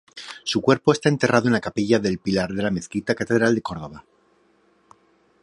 Su cuerpo está enterrado en la capilla del Pilar de la Mezquita-Catedral de Córdoba.